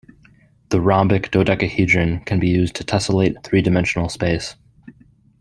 The rhombic dodecahedron can be used to tessellate three-dimensional space.